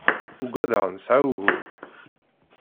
Ugadeɣ nesɛa ugur.